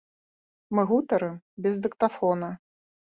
Мы гутарым без дыктафона.